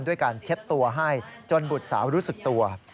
ด้วยการเช็ดตัวให้จนบุตรสาวรู้สึกตัว